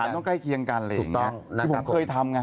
บ้านตรฐานต้องใกล้เคียงกันแหละอย่างเงี้ยถูกต้องที่ผมเคยทำไง